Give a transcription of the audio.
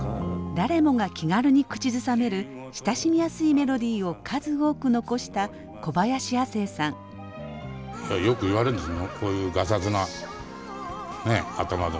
誰もが気軽に口ずさめる親しみやすいメロディーを数多く残したそうですか？